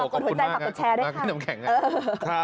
ขอบคุณมากขอบคุณแชร์ด้วยค่ะ